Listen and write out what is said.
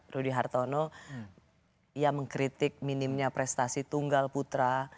rudy hartono ia mengkritik minimnya prestasi tunggal putra